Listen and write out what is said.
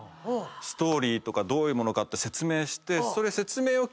ストーリーとかどういう物かって説明して。